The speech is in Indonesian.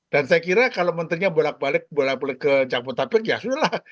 dan saya kira kalau menterinya bolak balik bolak balik ke jabodetabek ya sudah lah